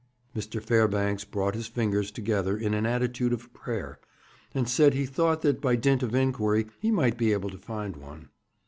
Mr. Fairbanks brought his fingers together in an attitude of prayer, and said he thought that by dint of inquiry he might be able to find one.